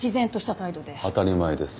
当たり前です。